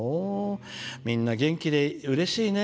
みんな元気でうれしいね。